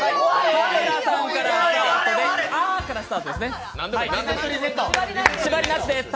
田村さんからスタートで、「あ」からです。